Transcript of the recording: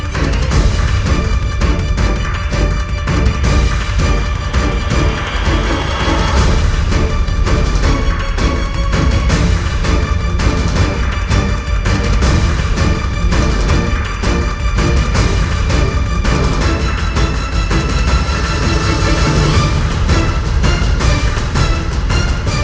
จังนะ